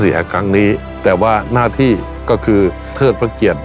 ครั้งนี้แต่ว่าหน้าที่ก็คือเทิดพระเกียรติ